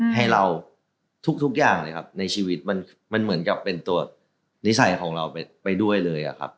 ให้เราทุกอย่างเลยครับในชีวิตมันเหมือนกับเป็นตัวนิสัยของเราไปด้วยเลยอะครับ